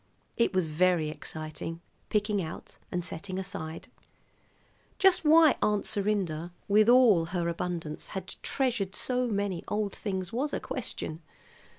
It was very exciting, picking out and setting aside. Just why Aunt Serinda, with all her abundance, had treasured so many old things was a question.